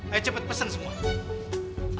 ayo cepat pesan semua